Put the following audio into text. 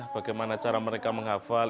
bagaimana cara mereka menghafal